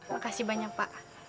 makasih banyak pak